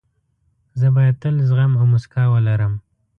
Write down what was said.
زه باید تل زغم او موسکا ولرم.